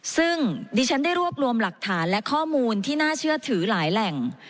ซึ่งดิฉันได้รวบรวมหลักฐานและข้อมูลที่น่าเชื่อถือหลายแหล่ง